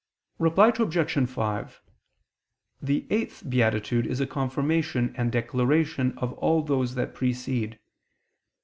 Reply Obj. 5: The eighth beatitude is a confirmation and declaration of all those that precede.